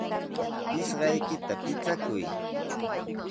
Pisqaykita pichakuy.